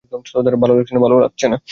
ভালো লাগছে না!